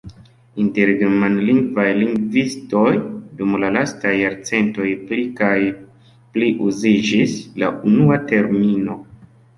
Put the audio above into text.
Inter germanlingvaj lingvistoj dum la lastaj jarcentoj pli kaj pli uziĝis la unua termino.